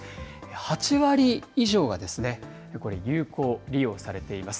８割以上が、これ、有効利用されています。